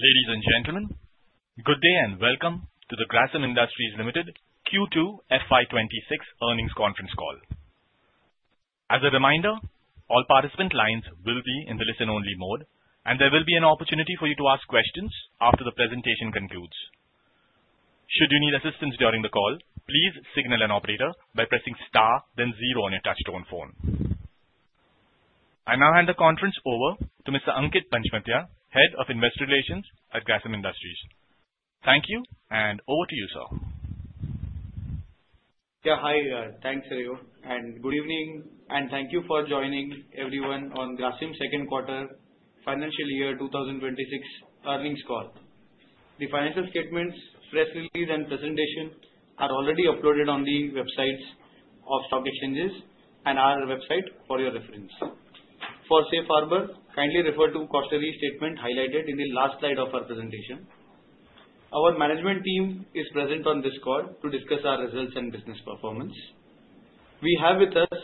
Ladies and gentlemen, good day and welcome to the Grasim Industries Limited Q2 FY 2026 earnings conference call. As a reminder, all participant lines will be in the listen-only mode, and there will be an opportunity for you to ask questions after the presentation concludes. Should you need assistance during the call, please signal an operator by pressing star, then zero on your touchstone phone. I now hand the conference over to Mr. Ankit Panchmatia, Head of Investor Relations at Grasim Industries. Thank you, and over to you, sir. Yeah, hi, thanks [Hari Agarwal], and good evening, and thank you for joining everyone on Grasim second quarter financial year 2026 earnings call. The financial statements, press release, and presentation are already uploaded on the websites of stock exchanges and our website for your reference. For safe harbor, kindly refer to the cautionary statement highlighted in the last slide of our presentation. Our management team is present on this call to discuss our results and business performance. We have with us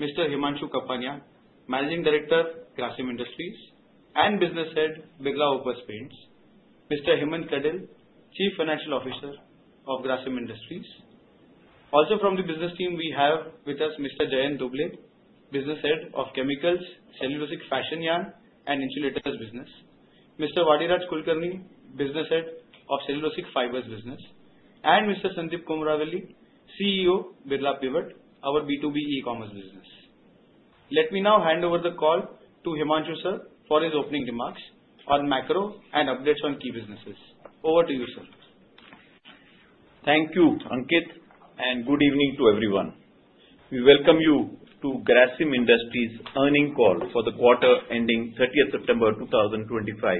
Mr. Himanshu Kapania, Managing Director, Grasim Industries, and Business Head, Birla Opus Paints. Mr. Hemant Kadle, Chief Financial Officer of Grasim Industries. Also from the business team, we have with us Mr. Jayant Dhobley, Business Head of Chemicals, Cellulosic Fashion Yarn, and Insulators Business. Mr. Vadiraj Kulkarni, Business Head of Cellulosic Fibers Business. And Mr. Sandeep Komaravelly, CEO, Birla Pivot, our B2B ecommerce business. Let me now hand over the call to Himanshu, sir, for his opening remarks on macro and updates on key businesses. Over to you, sir. Thank you, Ankit, and good evening to everyone. We welcome you to Grasim Industries' earnings call for the quarter ending 30 September 2025.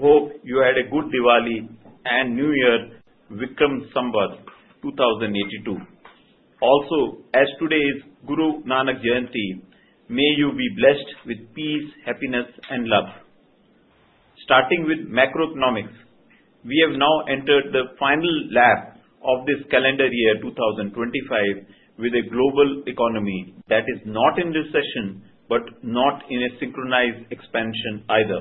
Hope you had a good Diwali and New Year, Vikram Samvat 2082. Also, as today is Guru Nanak Jayanti, may you be blessed with peace, happiness, and love. Starting with macroeconomics, we have now entered the final lap of this calendar year 2025 with a global economy that is not in recession but not in a synchronized expansion either.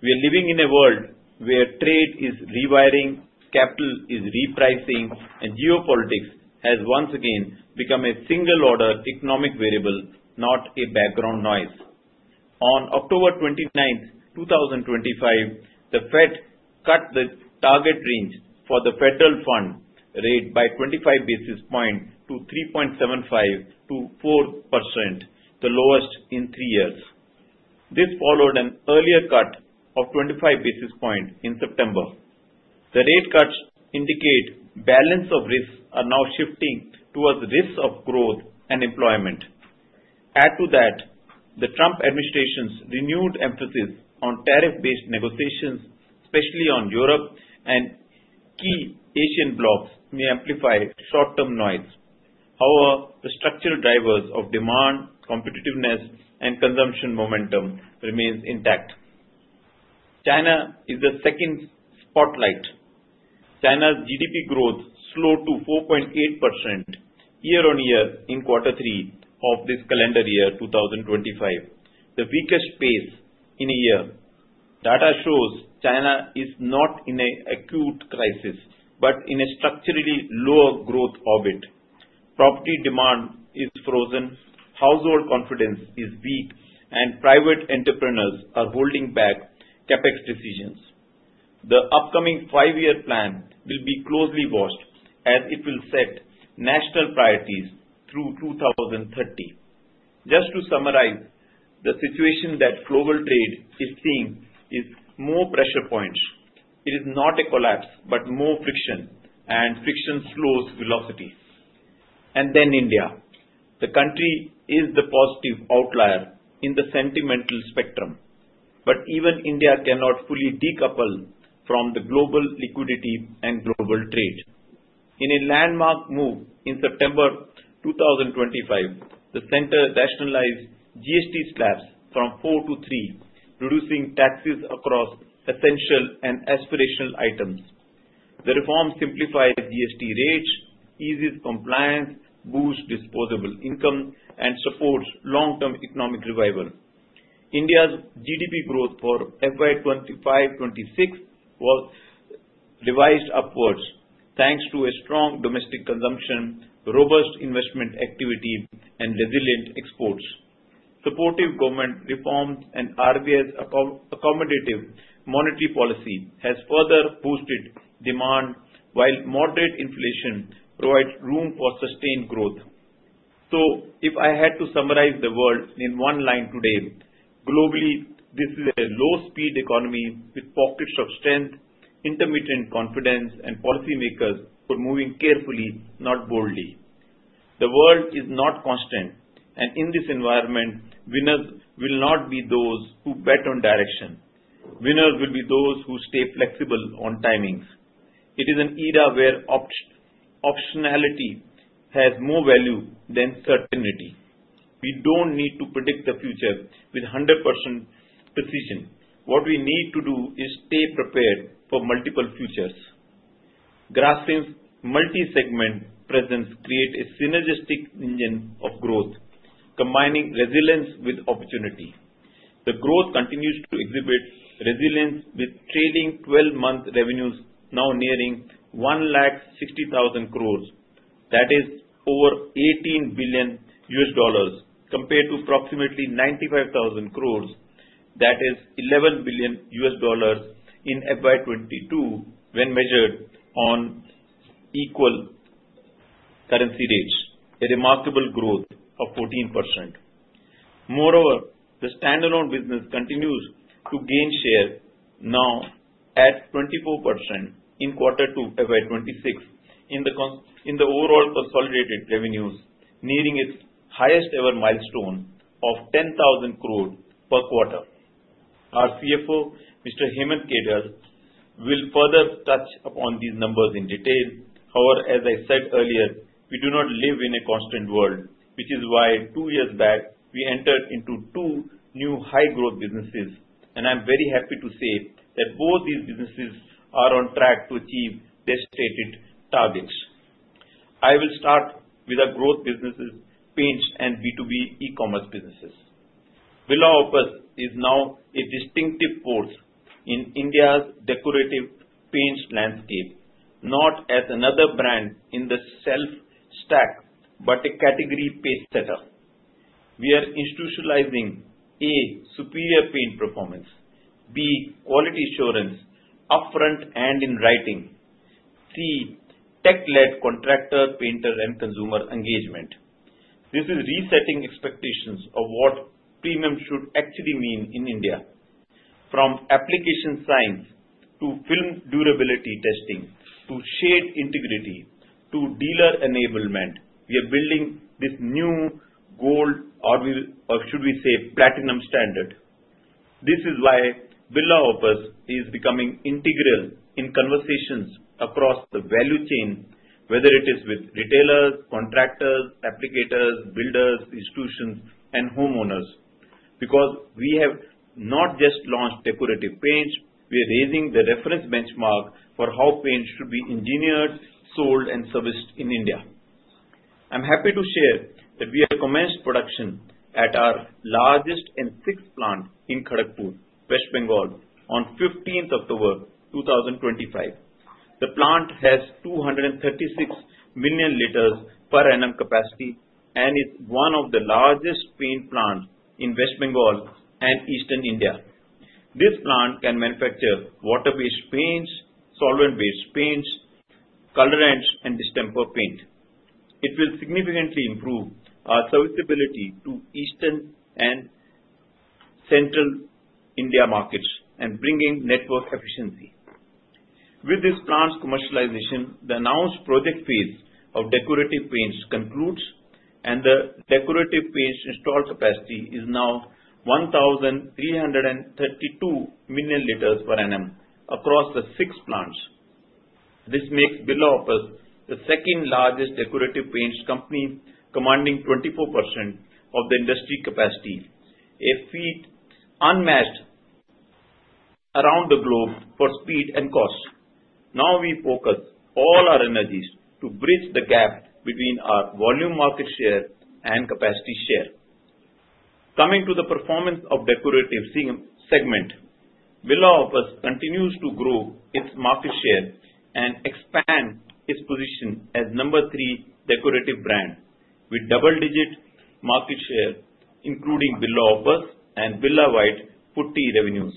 We are living in a world where trade is rewiring, capital is repricing, and geopolitics has once again become a single-order economic variable, not a background noise. On October 29 2025, the Fed cut the target range for the federal fund rate by 25 basis points to 3.75%-4%, the lowest in three years. This followed an earlier cut of 25 basis points in September. The rate cuts indicate balance of risks are now shifting towards risks of growth and employment. Add to that, the Trump administration's renewed emphasis on tariff-based negotiations, especially on Europe and key Asian blocs, may amplify short-term noise. However, the structural drivers of demand, competitiveness, and consumption momentum remain intact. China is the second spotlight. China's GDP growth slowed to 4.8% year-on-year in quarter three of this calendar year 2025, the weakest pace in a year. Data shows China is not in an acute crisis but in a structurally lower growth orbit. Property demand is frozen, household confidence is weak, and private entrepreneurs are holding back CapEx decisions. The upcoming five-year plan will be closely watched as it will set national priorities through 2030. Just to summarize, the situation that global trade is seeing is more pressure points. It is not a collapse but more friction, and friction slows velocity. India is the positive outlier in the sentimental spectrum, but even India cannot fully decouple from the global liquidity and global trade. In a landmark move in September 2025, the center rationalized GST slabs from 4% to 3%, reducing taxes across essential and aspirational items. The reform simplifies GST rates, eases compliance, boosts disposable income, and supports long-term economic revival. India's GDP growth for FY 2025-2026 was revised upwards thanks to strong domestic consumption, robust investment activity, and resilient exports. Supportive government reforms and RBI's accommodative monetary policy have further boosted demand, while moderate inflation provides room for sustained growth. If I had to summarize the world in one line today, globally, this is a low-speed economy with pockets of strength, intermittent confidence, and policymakers who are moving carefully, not boldly. The world is not constant, and in this environment, winners will not be those who bet on direction. Winners will be those who stay flexible on timings. It is an era where optionality has more value than certainty. We do not need to predict the future with 100% precision. What we need to do is stay prepared for multiple futures. Grasim's multi-segment presence creates a synergistic engine of growth, combining resilience with opportunity. The growth continues to exhibit resilience with trailing 12-month revenues now nearing 1 lakh 60,000 crore. That is over $18 billion compared to approximately 95,000 crore. That is $11 billion in FY 2022 when measured on equal currency rates. A remarkable growth of 14%. Moreover, the standalone business continues to gain share now at 24% in quarter two of FY 2026 in the overall consolidated revenues, nearing its highest-ever milestone of 10,000 crore per quarter. Our CFO, Mr. Hemant Kadle will further touch upon these numbers in detail. However, as I said earlier, we do not live in a constant world, which is why two years back we entered into two new high-growth businesses, and I'm very happy to say that both these businesses are on track to achieve their stated targets. I will start with the growth businesses, paints, and B2B e-commerce businesses. Birla Opus is now a distinctive force in India's decorative paint landscape, not as another brand in the self-stack but a category-based setup. We are institutionalizing A, superior paint performance; B, quality assurance upfront and in writing; C, tech-led contractor, painter, and consumer engagement. This is resetting expectations of what premium should actually mean in India. From application science to film durability testing to shade integrity to dealer enablement, we are building this new gold, or should we say platinum standard. This is why Birla Opus is becoming integral in conversations across the value chain, whether it is with retailers, contractors, applicators, builders, institutions, and homeowners, because we have not just launched decorative paints; we are raising the reference benchmark for how paints should be engineered, sold, and serviced in India. I'm happy to share that we have commenced production at our largest and sixth plant in Kharagpur, West Bengal, on 15th October 2025. The plant has 236 million l per annum capacity and is one of the largest paint plants in West Bengal and Eastern India. This plant can manufacture water-based paints, solvent-based paints, colorants, and distemper paint. It will significantly improve our serviceability to Eastern and Central India markets and bring network efficiency. With this plant's commercialization, the announced project phase of decorative paints concludes, and the decorative paints installed capacity is now 1,332 million l per annum across the six plants. This makes Birla Opus the second-largest decorative paints company, commanding 24% of the industry capacity, a feat unmatched around the globe for speed and cost. Now we focus all our energies to bridge the gap between our volume market share and capacity share. Coming to the performance of the decorative segment, Birla Opus continues to grow its market share and expand its position as number three decorative brand with double-digit market share, including Birla Opus and Birla White Putty revenues,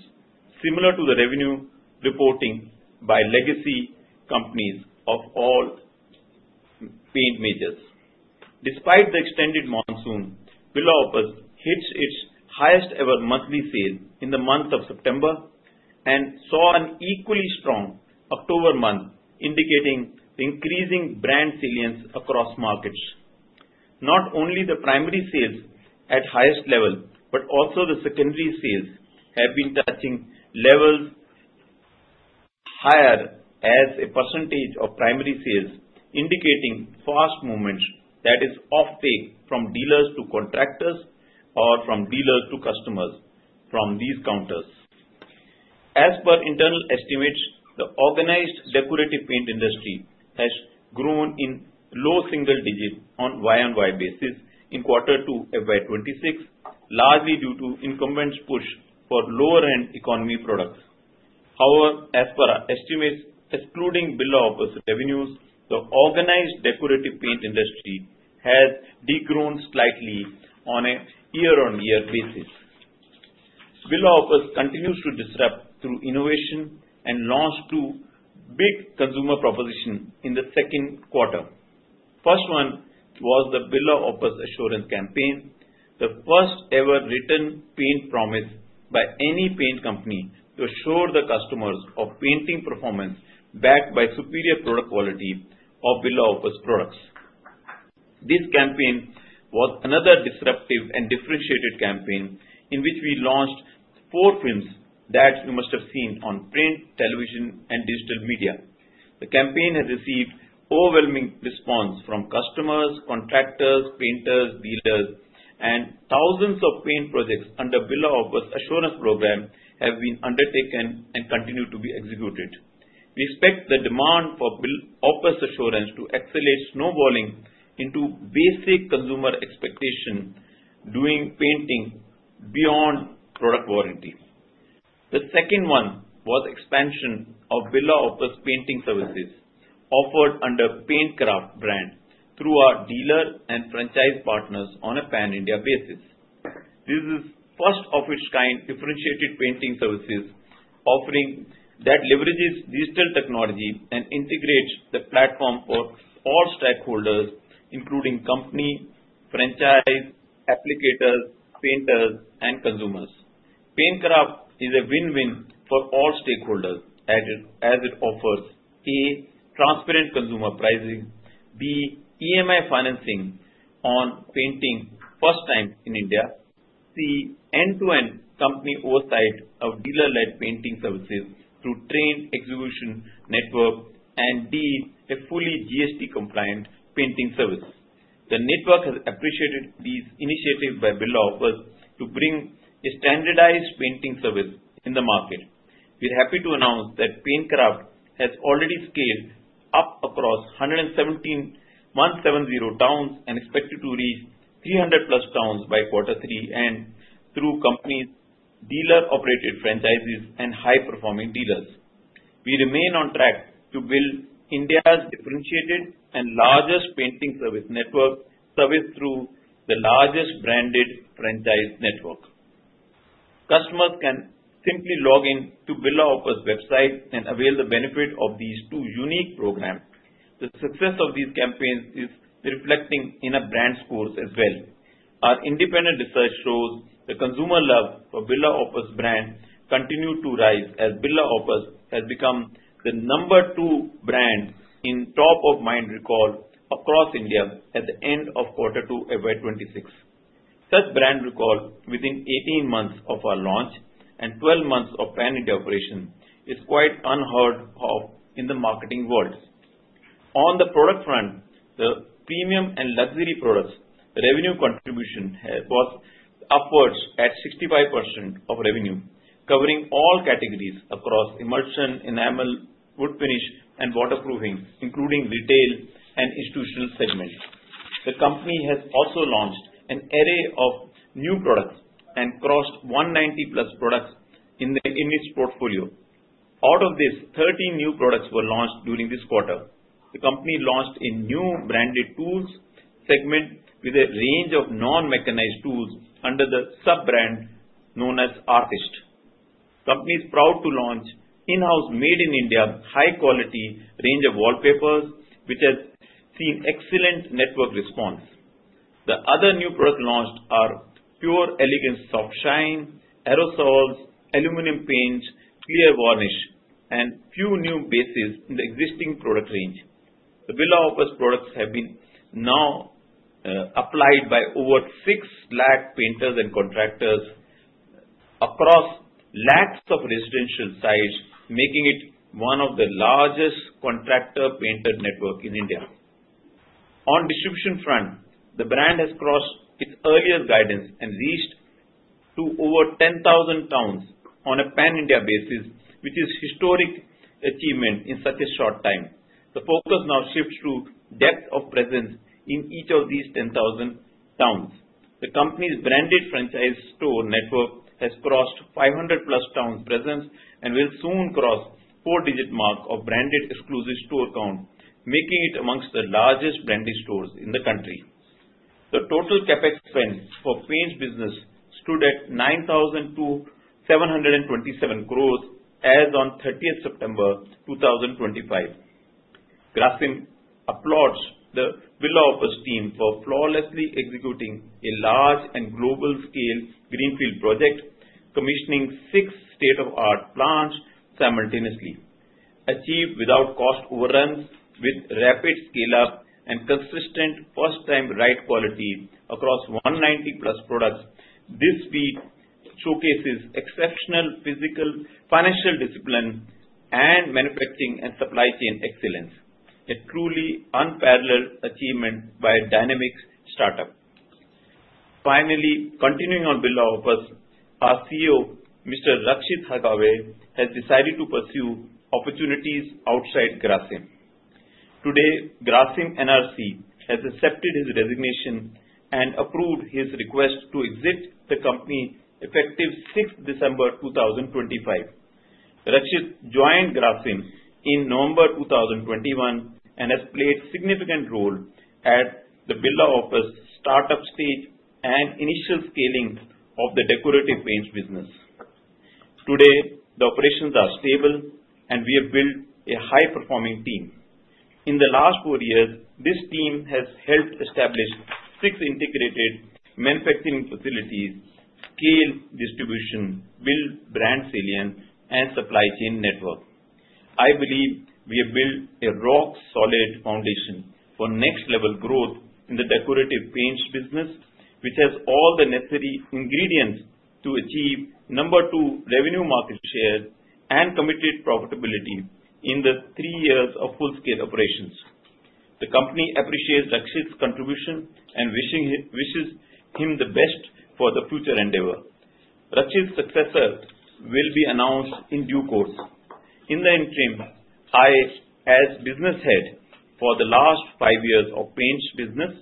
similar to the revenue reporting by legacy companies of all paint majors. Despite the extended monsoon, Birla Opus hits its highest-ever monthly sales in the month of September and saw an equally strong October month, indicating increasing brand salience across markets. Not only the primary sales at highest level, but also the secondary sales have been touching levels higher as a percentage of primary sales, indicating fast movement that is off-take from dealers to contractors or from dealers to customers from these counters. As per internal estimates, the organized decorative paint industry has grown in low single-digit on year-on-year basis in quarter two of FY 2026, largely due to incumbents' push for lower-end economy products. However, as per estimates excluding Birla Opus revenues, the organized decorative paint industry has degrown slightly on a year-on-year basis. Birla Opus continues to disrupt through innovation and launch two big consumer propositions in the second quarter. The first one was the Birla Opus Assurance campaign, the first-ever written paint promise by any paint company to assure the customers of painting performance backed by superior product quality of Birla Opus products. This campaign was another disruptive and differentiated campaign in which we launched four films that you must have seen on print, television, and digital media. The campaign has received overwhelming response from customers, contractors, painters, dealers, and thousands of paint projects under Birla Opus Assurance program have been undertaken and continue to be executed. We expect the demand for Birla Opus Assurance to accelerate, snowballing into basic consumer expectation, doing painting beyond product warranty. The second one was the expansion of Birla Opus painting services offered under PaintCraft brand through our dealer and franchise partners on a pan-India basis. This is first-of-its-kind differentiated painting services offering that leverages digital technology and integrates the platform for all stakeholders, including company, franchise, applicators, painters, and consumers. PaintCraft is a win-win for all stakeholders as it offers A, transparent consumer pricing; B, EMI financing on painting first time in India; C, end-to-end company oversight of dealer-led painting services through trained execution network; and D, a fully GST-compliant painting service. The network has appreciated these initiatives by Birla Opus to bring a standardized painting service in the market. We're happy to announce that PaintCraft has already scaled up across 170 towns and is expected to reach 300+ towns by quarter three and through company’s dealer-operated franchises and high-performing dealers. We remain on track to build India's differentiated and largest painting service network, serviced through the largest branded franchise network. Customers can simply log in to Birla Opus website and avail the benefit of these two unique programs. The success of these campaigns is reflecting in our brand scores as well. Our independent research shows the consumer love for Birla Opus brand continues to rise as Birla Opus has become the number two brand in top-of-mind recall across India at the end of quarter two of FY 2026. Such brand recall within 18 months of our launch and 12 months of pan-India operation is quite unheard of in the marketing world. On the product front, the premium and luxury products revenue contribution was upwards at 65% of revenue, covering all categories across emulsion, enamel, wood finish, and waterproofing, including retail and institutional segments. The company has also launched an array of new products and crossed 190+ products in its portfolio. Out of this, 30 new products were launched during this quarter. The company launched a new branded tools segment with a range of non-mechanized tools under the sub-brand known as Artist. The company is proud to launch in-house, made in India, high-quality range of wallpapers, which has seen excellent network response. The other new products launched are One Pure Elegance Shine, aerosols, aluminum paints, clear varnish, and few new bases in the existing product range. The Birla Opus products have been now applied by over 6 lakh painters and contractors across lakhs of residential sites, making it one of the largest contractor-painter networks in India. On the distribution front, the brand has crossed its earliest guidance and reached over 10,000 towns on a pan-India basis, which is a historic achievement in such a short time. The focus now shifts to depth of presence in each of these 10,000 towns. The company's branded franchise store network has crossed 500+ towns' presence and will soon cross the four-digit mark of branded exclusive store count, making it amongst the largest branded stores in the country. The total CapEx spend for paint business stood at 9,727 crore as of 30th September 2025. Grasim applauds the Birla Opus team for flawlessly executing a large and global-scale greenfield project, commissioning six state-of-the-art plants simultaneously. Achieved without cost overruns, with rapid scale-up and consistent first-time right quality across 190+ products, this feat showcases exceptional financial discipline and manufacturing and supply chain excellence. A truly unparalleled achievement by a dynamic startup. Finally, continuing on Birla Opus, our CEO, Mr. Rakshit Hargave, has decided to pursue opportunities outside Grasim. Today, Grasim NRC has accepted his resignation and approved his request to exit the company effective 6th December 2025. Rakshit joined Grasim in November 2021 and has played a significant role at the Birla Opus startup stage and initial scaling of the decorative paint business. Today, the operations are stable, and we have built a high-performing team. In the last four years, this team has helped establish six integrated manufacturing facilities, scale distribution, build brand salience, and supply chain network. I believe we have built a rock-solid foundation for next-level growth in the decorative paints business, which has all the necessary ingredients to achieve number two revenue market share and committed profitability in the three years of full-scale operations. The company appreciates Rakshit's contribution and wishes him the best for the future endeavor. Rakshit's successor will be announced in due course. In the interim, I, as Business Head for the last five years of paints business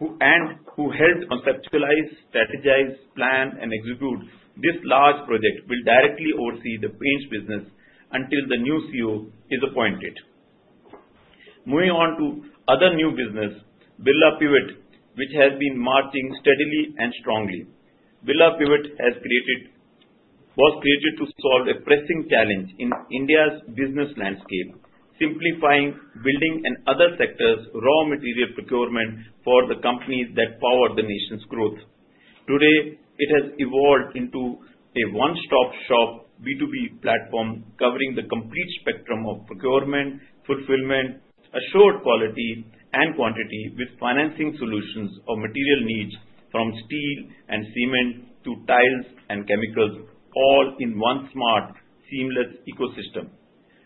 and who helped conceptualize, strategize, plan, and execute this large project, will directly oversee the paints business until the new CEO is appointed. Moving on to other new business, Birla Pivot, which has been marching steadily and strongly. Birla Pivot was created to solve a pressing challenge in India's business landscape, simplifying building and other sectors' raw material procurement for the companies that power the nation's growth. Today, it has evolved into a one-stop shop B2B platform covering the complete spectrum of procurement, fulfillment, assured quality, and quantity with financing solutions of material needs from steel and cement to tiles and chemicals, all in one smart, seamless ecosystem.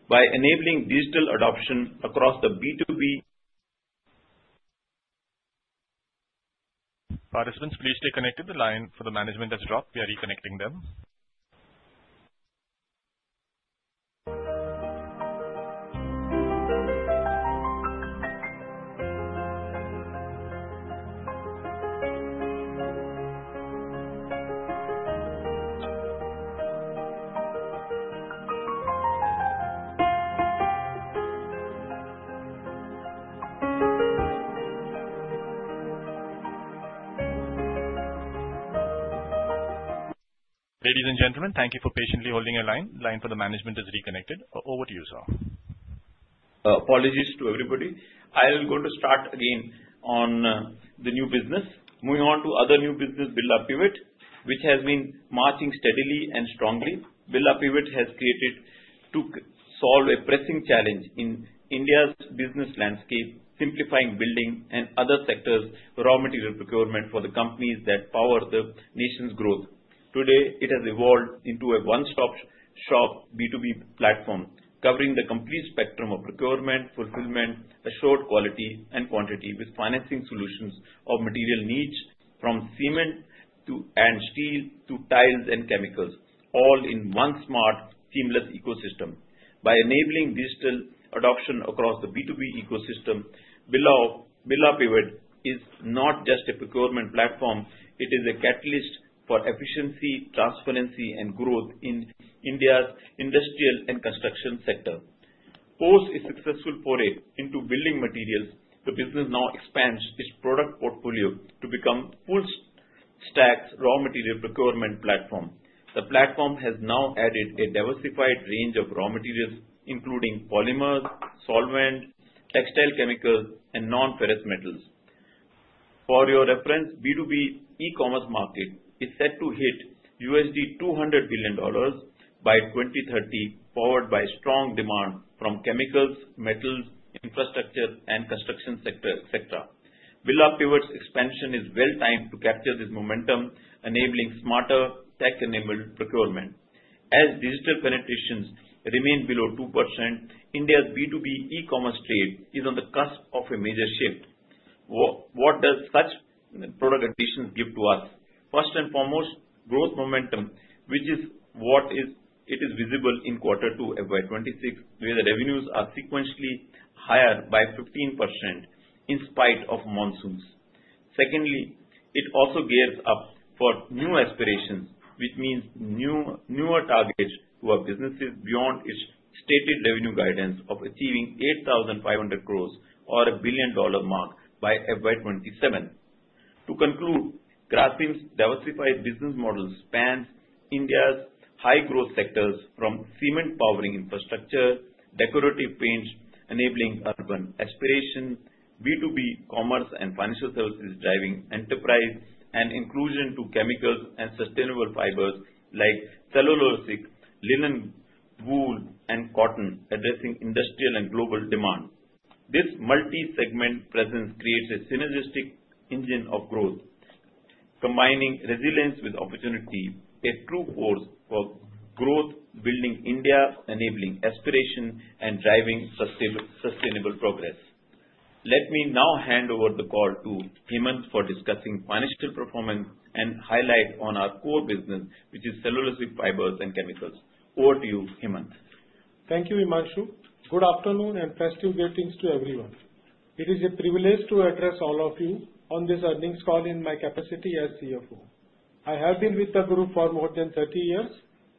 By enabling digital adoption across the B2B. Participants, please stay connected to the line. For the management that's dropped, we are reconnecting them. Ladies and gentlemen, thank you for patiently holding your line. The line for the management is reconnected. Over to you, sir. Apologies to everybody. I'll go to start again on the new business. Moving on to other new business, Birla Pivot, which has been marching steadily and strongly. Birla Pivot has created to solve a pressing challenge in India's business landscape, simplifying building and other sectors' raw material procurement for the companies that power the nation's growth. Today, it has evolved into a one-stop shop B2B platform covering the complete spectrum of procurement, fulfillment, assured quality, and quantity with financing solutions of material needs from cement and steel to tiles and chemicals, all in one smart, seamless ecosystem. By enabling digital adoption across the B2B ecosystem, Birla Pivot is not just a procurement platform; it is a catalyst for efficiency, transparency, and growth in India's industrial and construction sector. Post its successful foray into building materials, the business now expands its product portfolio to become a full-stack raw material procurement platform. The platform has now added a diversified range of raw materials, including polymers, solvents, textile chemicals, and non-ferrous metals. For your reference, the B2B e-commerce market is set to hit $200 billion by 2030, powered by strong demand from chemicals, metals, infrastructure, and construction sector, etc. Birla Pivot's expansion is well-timed to capture this momentum, enabling smarter tech-enabled procurement. As digital penetrations remain below 2%, India's B2B e-commerce trade is on the cusp of a major shift. What does such product additions give to us? First and foremost, growth momentum, which is what is visible in quarter two of FY 2026, where the revenues are sequentially higher by 15% in spite of monsoons. Secondly, it also gears up for new aspirations, which means newer targets to our businesses beyond its stated revenue guidance of achieving 8,500 crore or a billion-dollar mark by FY 2027. To conclude, Grasim's diversified business model spans India's high-growth sectors from cement powering infrastructure, decorative paints enabling urban aspiration, B2B commerce and financial services driving enterprise and inclusion, to chemicals and sustainable fibers like cellulosic, linen, wool, and cotton, addressing industrial and global demands. This multi-segment presence creates a synergistic engine of growth, combining resilience with opportunity, a true force for growth, building India's enabling aspiration and driving sustainable progress. Let me now hand over the call to Hemant for discussing financial performance and highlight on our core business, which is cellulosic fibers and chemicals. Over to you, Hemant. Thank you, Himanshu. Good afternoon and festive greetings to everyone. It is a privilege to address all of you on this earnings call in my capacity as CFO. I have been with the group for more than 30 years,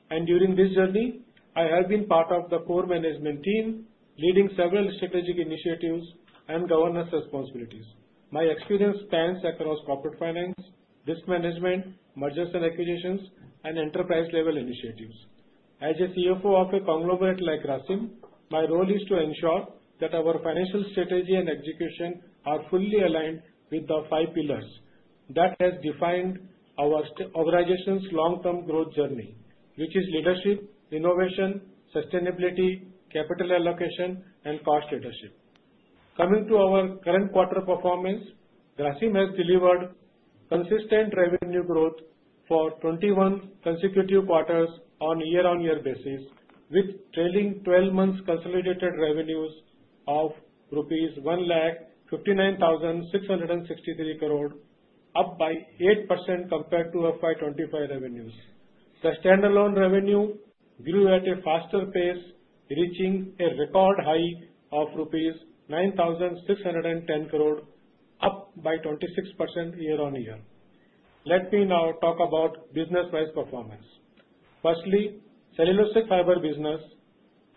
and during this journey, I have been part of the core management team, leading several strategic initiatives and governance responsibilities. My experience spans across corporate finance, risk management, mergers and acquisitions, and enterprise-level initiatives. As a CFO of a conglomerate like Grasim, my role is to ensure that our financial strategy and execution are fully aligned with the five pillars that have defined our organization's long-term growth journey, which is leadership, innovation, sustainability, capital allocation, and cost leadership. Coming to our current quarter performance, Grasim has delivered consistent revenue growth for 21 consecutive quarters on a year-on-year basis, with trailing 12 months' consolidated revenues of rupees 1 lakh 59,663 crore, up by 8% compared to FY 2025 revenues. The standalone revenue grew at a faster pace, reaching a record high of rupees 9,610 crore, up by 26% year-on-year. Let me now talk about business-wise performance. Firstly, cellulosic fiber business.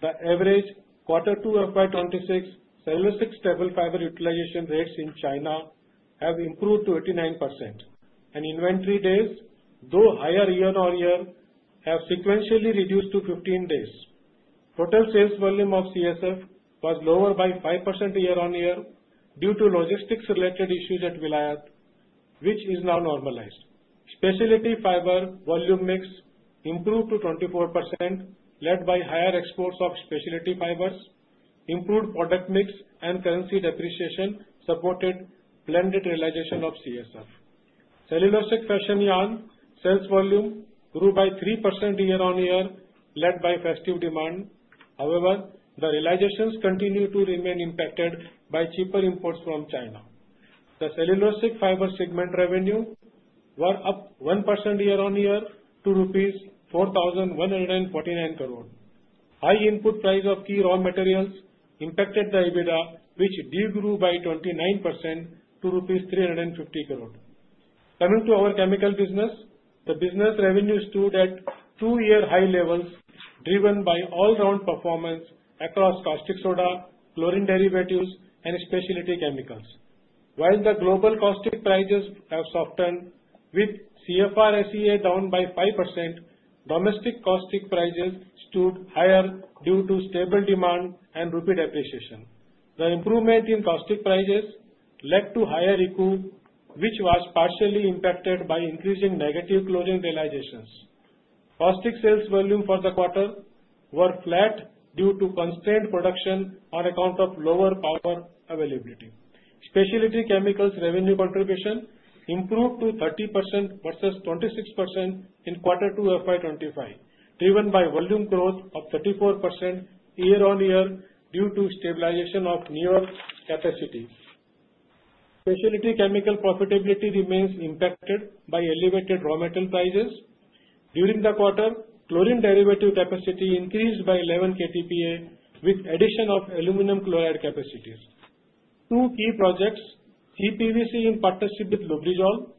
The average quarter two of FY 2026 cellulosic staple fiber utilization rates in China have improved to 89%. Inventory days, though higher year-on-year, have sequentially reduced to 15 days. Total sales volume of CSF was lower by 5% year-on-year due to logistics-related issues at Vilayat, which is now normalized. Specialty fiber volume mix improved to 24%, led by higher exports of specialty fibers, improved product mix, and currency depreciation supported blended realization of CSF. Cellulosic fashion yarn sales volume grew by 3% year-on-year, led by festive demand. However, the realizations continue to remain impacted by cheaper imports from China. The cellulosic fiber segment revenue were up 1% year-on-year to rupees 4,149 crore. High input price of key raw materials impacted the EBITDA, which degrew by 29% to rupees 350 crore. Coming to our chemical business, the business revenues stood at two-year high levels, driven by all-round performance across caustic soda, chlorine derivatives, and specialty chemicals. While the global caustic prices have softened, with CFR-SEA down by 5%, domestic caustic prices stood higher due to stable demand and rapid appreciation. The improvement in caustic prices led to higher ECU, which was partially impacted by increasing negative chlorine realizations. Caustic sales volume for the quarter were flat due to constrained production on account of lower power availability. Specialty chemicals revenue contribution improved to 30% versus 26% in quarter two of FY 2025, driven by volume growth of 34% year-on-year due to stabilization of newer capacity. Specialty chemical profitability remains impacted by elevated raw metal prices. During the quarter, chlorine derivative capacity increased by 11 KTPA, with addition of aluminum chloride capacities. Two key projects, CPVC in partnership with Lubrizol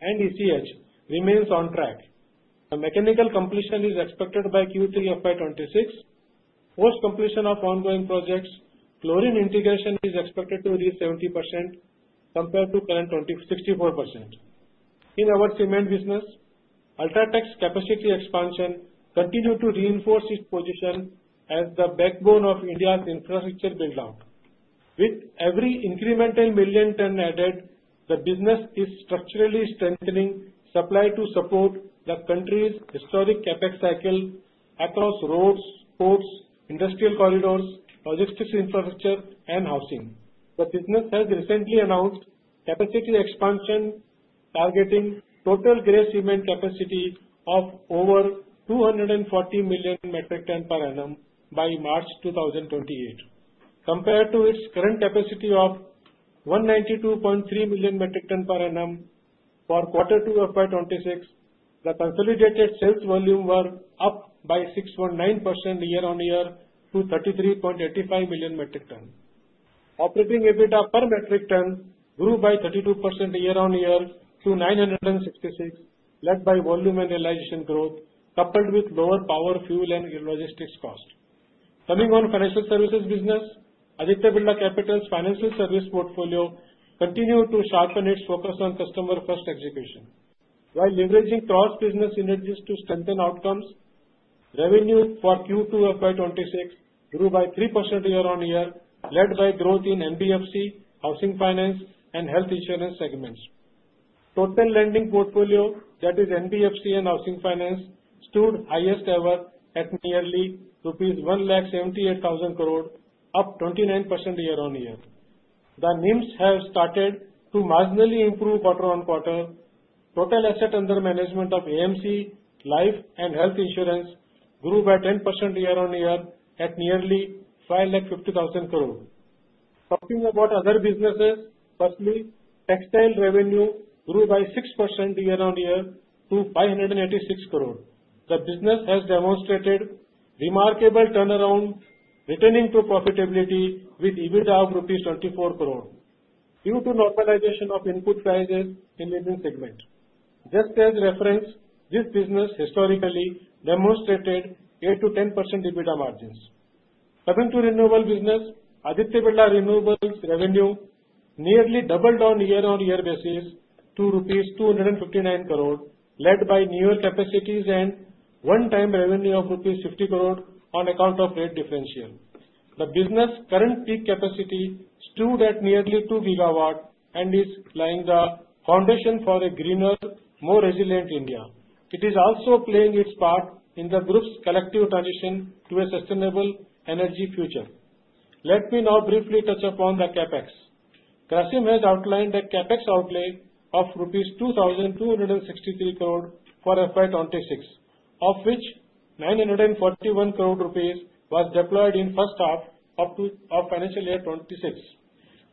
and ECH, remain on track. The mechanical completion is expected by Q3 of FY 2026. Post-completion of ongoing projects, chlorine integration is expected to reach 70% compared to current 64%. In our cement business, UltraTech's capacity expansion continues to reinforce its position as the backbone of India's infrastructure build-out. With every incremental million tonne added, the business is structurally strengthening supply to support the country's historic CapEx cycle across roads, ports, industrial corridors, logistics infrastructure, and housing. The business has recently announced capacity expansion, targeting total gray cement capacity of over 240 million metric tonnes per annum by March 2028. Compared to its current capacity of 192.3 million metric tonnes per annum for quarter two of FY 2026, the consolidated sales volume were up by 6.9% year-on-year to 33.85 million metric tonnes. Operating EBITDA per metric tonne grew by 32% year-on-year to 966, led by volume and realization growth, coupled with lower power fuel and logistics cost. Coming on financial services business, Aditya Birla Capital's financial service portfolio continues to sharpen its focus on customer-first execution. While leveraging cross-business synergies to strengthen outcomes, revenue for Q2 of FY 2026 grew by 3% year-on-year, led by growth in NBFC, housing finance, and health insurance segments. Total lending portfolio, that is NBFC and housing finance, stood highest ever at nearly rupees 1,78,000 crore, up 29% year-on-year. The NIMs have started to marginally improve quarter on quarter. Total asset under management of AMC, life and health insurance grew by 10% year-on-year at nearly 550,000 crore. Talking about other businesses, firstly, textile revenue grew by 6% year-on-year to 586 crore. The business has demonstrated remarkable turnaround, returning to profitability with EBITDA of rupees 24 crore, due to normalization of input prices in the same segment. Just as reference, this business historically demonstrated 8%-10% EBITDA margins. Coming to renewable business, Aditya Birla Renewables revenue nearly doubled on a year-on-year basis to 259 crore rupees, led by newer capacities and one-time revenue of 50 crore rupees on account of rate differential. The business's current peak capacity stood at nearly 2 GW and is laying the foundation for a greener, more resilient India. It is also playing its part in the group's collective transition to a sustainable energy future. Let me now briefly touch upon the CapEx. Grasim has outlined a CapEx outlay of rupees 2,263 crore for FY 2026, of which 941 crore rupees was deployed in the first half of financial year 2026.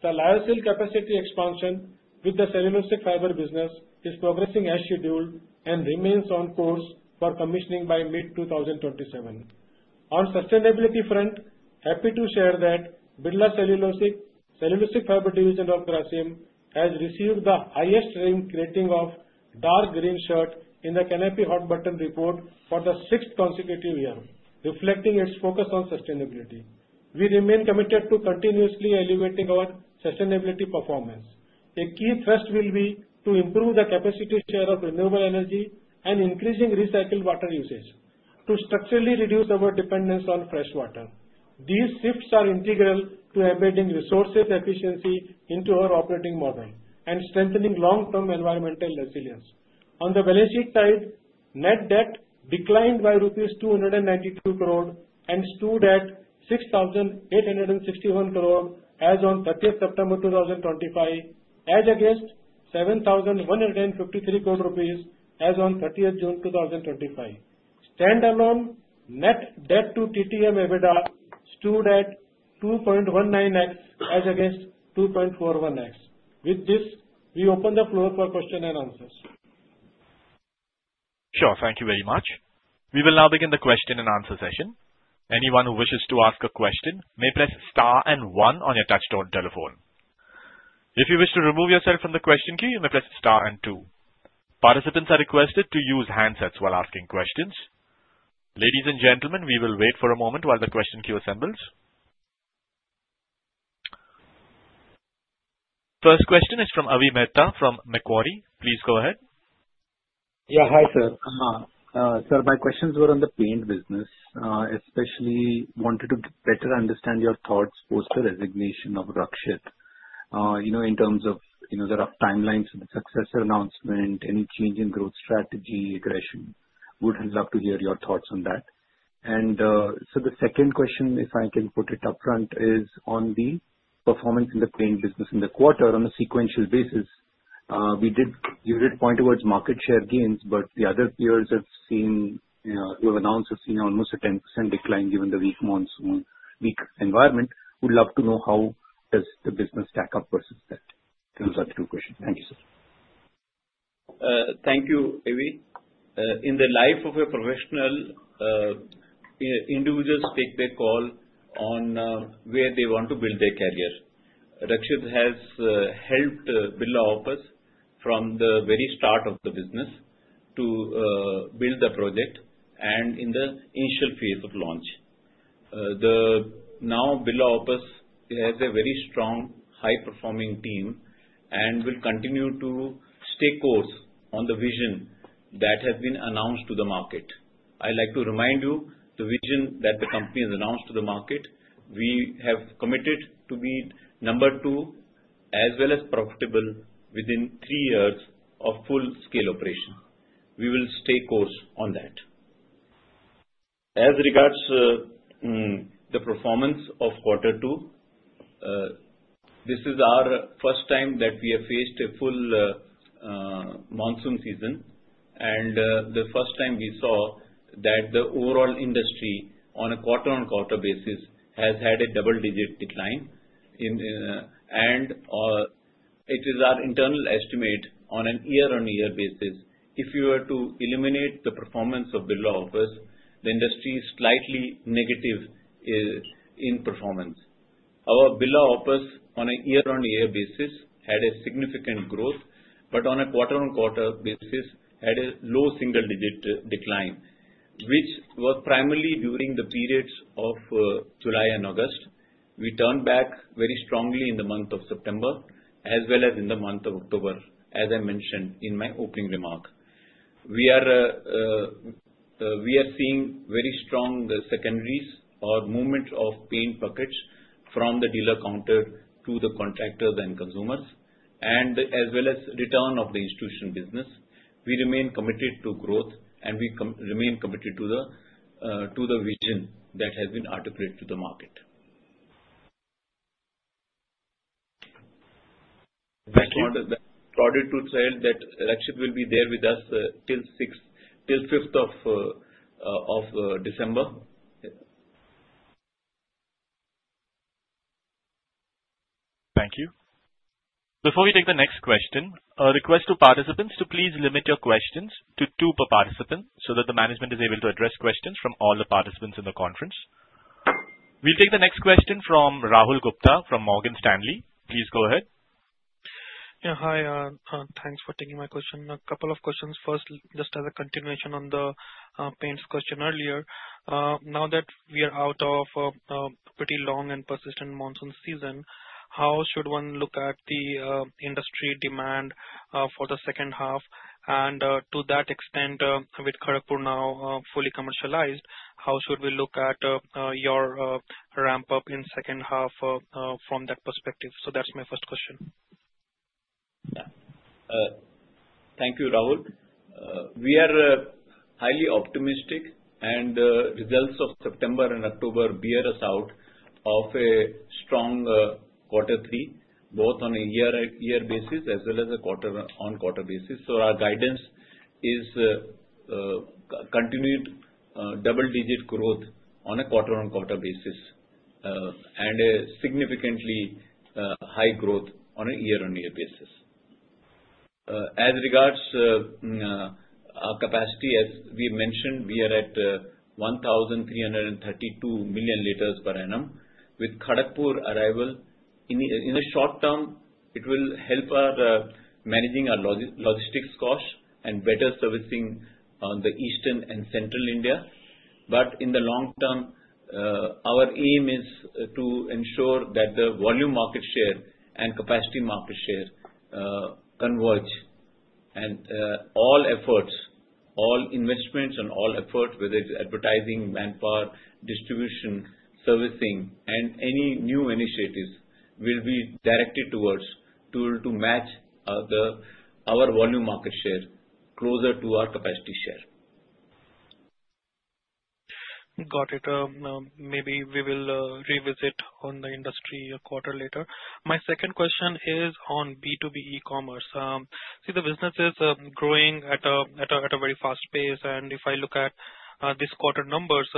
The [lyocell] capacity expansion with the cellulosic fiber business is progressing as scheduled and remains on course for commissioning by mid-2027. On the sustainability front, I'm happy to share that Birla Cellulosic Fiber division of Grasim has received the highest rating of dark green shirt in the Canopy Hot Button report for the sixth consecutive year, reflecting its focus on sustainability. We remain committed to continuously elevating our sustainability performance. A key thrust will be to improve the capacity share of renewable energy and increasing recycled water usage to structurally reduce our dependence on fresh water. These shifts are integral to embedding resource efficiency into our operating model and strengthening long-term environmental resilience. On the balance sheet side, net debt declined by rupees 292 crore and stood at 6,861 crore as of 30 September 2025, as against 7,153 crore rupees as of 30 June 2025. Standalone net debt to TTM EBITDA stood at 2.19x as against 2.41x. With this, we open the floor for questions and answers. Sure, thank you very much. We will now begin the question and answer session. Anyone who wishes to ask a question may press star and one on your touchstone telephone. If you wish to remove yourself from the question queue, you may press star and two. Participants are requested to use handsets while asking questions. Ladies and gentlemen, we will wait for a moment while the question queue assembles. First question is from Avi Mehta from Macquarie. Please go ahead. Yeah, hi sir. Sir, my questions were on the paint business, especially wanted to better understand your thoughts post the resignation of Rakshit in terms of the timelines for the successor announcement, any change in growth strategy, regression. Would love to hear your thoughts on that. The second question, if I can put it upfront, is on the performance in the paint business in the quarter on a sequential basis. You did point towards market share gains, but the other peers who have announced have seen almost a 10% decline given the weak monsoon, weak environment. Would love to know how does the business stack up versus that. Those are the two questions. Thank you, sir. Thank you, Avi. In the life of a professional, individuals take their call on where they want to build their career. Rakshit has helped Birla Opus from the very start of the business to build the project and in the initial phase of launch. The now Birla Opus has a very strong, high-performing team and will continue to stay course on the vision that has been announced to the market. I'd like to remind you the vision that the company has announced to the market. We have committed to be number two as well as profitable within three years of full-scale operation. We will stay course on that. As regards to the performance of quarter two, this is our first time that we have faced a full monsoon season and the first time we saw that the overall industry on a quarter-on-quarter basis has had a double-digit decline. It is our internal estimate on a year-on-year basis. If you were to eliminate the performance of Birla Opus, the industry is slightly negative in performance. Our Birla Opus on a year-on-year basis had significant growth, but on a quarter-on-quarter basis had a low single-digit decline, which was primarily during the periods of July and August. We turned back very strongly in the month of September as well as in the month of October, as I mentioned in my opening remark. We are seeing very strong secondaries or movement of paint buckets from the dealer counter to the contractors and consumers, and as well as return of the institution business. We remain committed to growth and we remain committed to the vision that has been articulated to the market. Thank you. I'm proud to tell that Rakshit will be there with us till 5th of December. Thank you. Before we take the next question, a request to participants to please limit your questions to two per participant so that the management is able to address questions from all the participants in the conference. We'll take the next question from Rahul Gupta from Morgan Stanley. Please go ahead. Yeah, hi. Thanks for taking my question. A couple of questions. First, just as a continuation on the paints question earlier, now that we are out of a pretty long and persistent monsoon season, how should one look at the industry demand for the second half? And to that extent, with Kharagpur now fully commercialized, how should we look at your ramp-up in the second half from that perspective? So that's my first question. Thank you, Rahul. We are highly optimistic, and the results of September and October bear us out of a strong quarter three, both on a year-on-year basis as well as a quarter-on-quarter basis. Our guidance is continued double-digit growth on a quarter-on-quarter basis and a significantly high growth on a year-on-year basis. As regards our capacity, as we mentioned, we are at 1,332 million l per annum. With Kharagpur arrival in the short term, it will help our managing our logistics costs and better servicing the eastern and central India. In the long term, our aim is to ensure that the volume market share and capacity market share converge. All efforts, all investments, and all efforts, whether it is advertising, manpower, distribution, servicing, and any new initiatives, will be directed towards to match our volume market share closer to our capacity share. Got it. Maybe we will revisit on the industry a quarter later. My second question is on B2B e-commerce. See, the business is growing at a very fast pace, and if I look at this quarter numbers,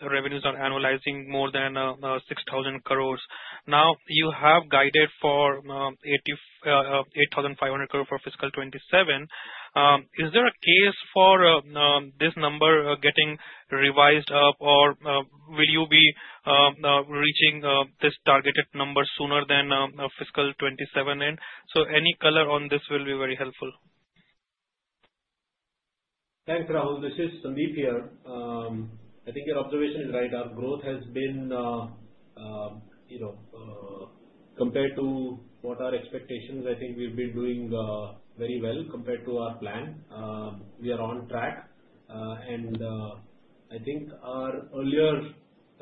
revenues are annualizing more than 6,000 crore. Now, you have guided for 8,500 crore for fiscal 2027. Is there a case for this number getting revised up, or will you be reaching this targeted number sooner than fiscal 2027 end? Any color on this will be very helpful. Thanks, Rahul. This is Sandeep here. I think your observation is right. Our growth has been compared to what our expectations are. I think we have been doing very well compared to our plan. We are on track, and I think our earlier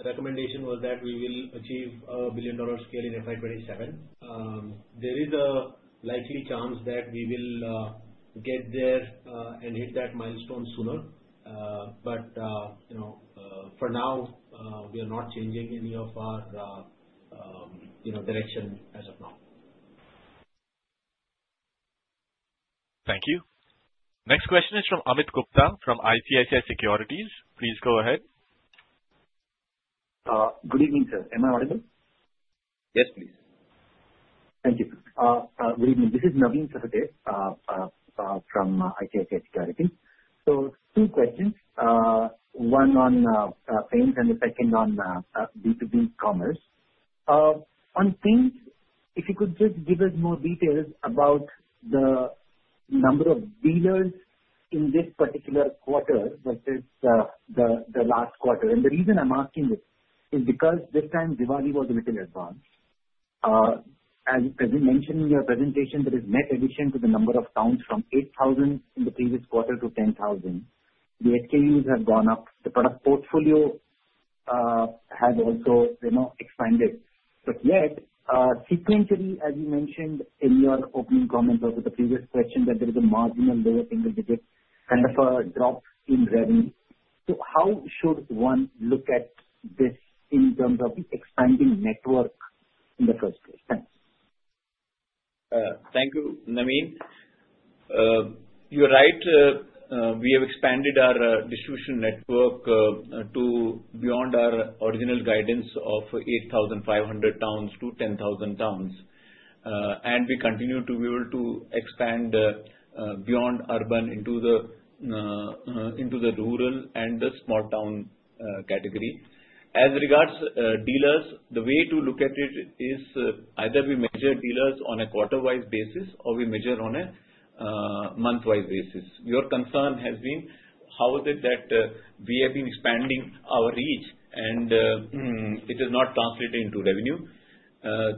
recommendation was that we will achieve a billion-dollar scale in FY 2027. There is a likely chance that we will get there and hit that milestone sooner. For now, we are not changing any of our direction as of now. Thank you. Next question is from [Amit Gupta] from ICICI Securities. Please go ahead. Good evening, sir. Am I audible? Yes, please. Thank you. Good evening. This is Navin Sahadeo from ICICI Securities. Two questions. One on paints and the second on B2B e-commerce. On paints, if you could just give us more details about the number of dealers in this particular quarter versus the last quarter. The reason I am asking this is because this time, Diwali was a little advanced. As you mentioned in your presentation, there is net addition to the number of towns from 8,000 in the previous quarter to 10,000. The SKUs have gone up. The product portfolio has also expanded. Yet, sequentially, as you mentioned in your opening comments over the previous question, there is a marginal lower single-digit kind of a drop in revenue. How should one look at this in terms of the expanding network in the first place? Thanks. Thank you, Navin. You're right. We have expanded our distribution network to beyond our original guidance of 8,500 towns to 10,000 towns. We continue to be able to expand beyond urban into the rural and the small-town category. As regards dealers, the way to look at it is either we measure dealers on a quarter-wise basis or we measure on a month-wise basis. Your concern has been how is it that we have been expanding our reach, and it has not translated into revenue.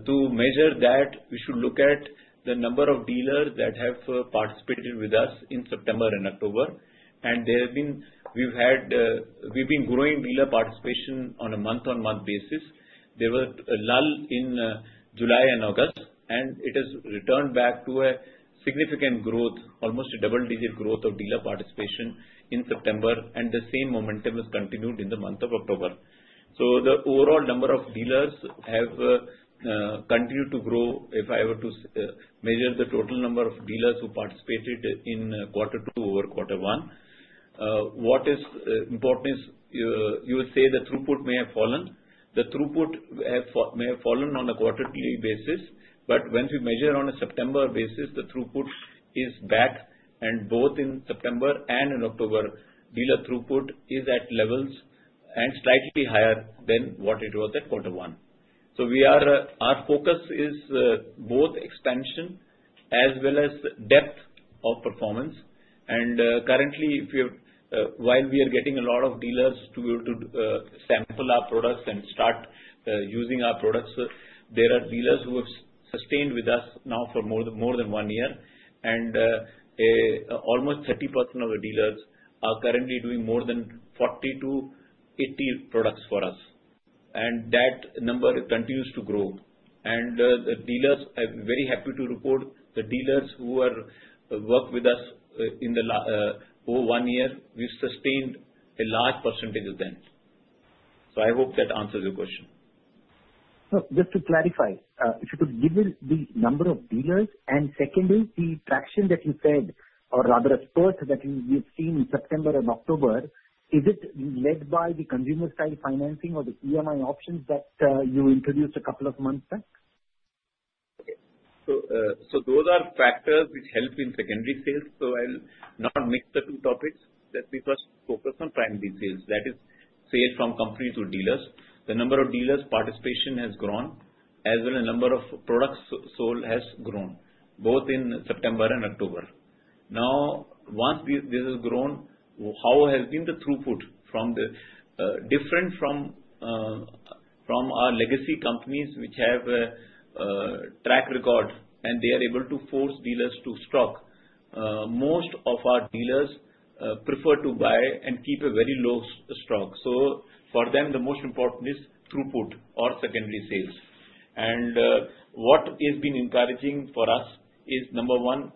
To measure that, we should look at the number of dealers that have participated with us in September and October. We have been growing dealer participation on a month-on-month basis. There was a lull in July and August, and it has returned back to significant growth, almost a double-digit growth of dealer participation in September, and the same momentum has continued in the month of October. The overall number of dealers have continued to grow. If I were to measure the total number of dealers who participated in quarter two over quarter one, what is the importance? You would say the throughput may have fallen. The throughput may have fallen on a quarterly basis, but when we measure on a September basis, the throughput is back. Both in September and in October, dealer throughput is at levels and slightly higher than what it was at quarter one. Our focus is both expansion as well as depth of performance. Currently, while we are getting a lot of dealers to sample our products and start using our products, there are dealers who have sustained with us now for more than one year. Almost 30% of the dealers are currently doing more than 40-80 products for us. That number continues to grow. The dealers are very happy to report, the dealers who have worked with us in the over one year, we have sustained a large percentage of them. I hope that answers your question. Just to clarify, if you could give me the number of dealers and, secondly, the traction that you said, or rather a spurt that you have seen in September and October, is it led by the consumer-style financing or the EMI options that you introduced a couple of months back? Those are factors which help in secondary sales. I'll not mix the two topics. Let me first focus on primary sales. That is, sales from company to dealers. The number of dealers' participation has grown, as well as the number of products sold has grown, both in September and October. Now, once this has grown, how has been the throughput from our legacy companies which have a track record, and they are able to force dealers to stock? Most of our dealers prefer to buy and keep a very low stock. For them, the most important is throughput or secondary sales. What has been encouraging for us is, number one,